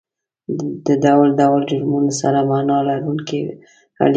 د ډول ډول جرمونو سره معنا لرونکې اړیکه لري